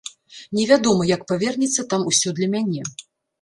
Невядома, як павернецца там усё для мяне.